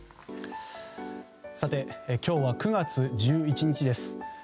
今日は９月１１日です。